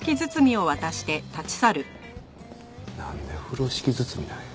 なんで風呂敷包みなんや？